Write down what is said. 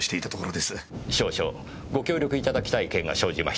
少々ご協力頂きたい件が生じまして。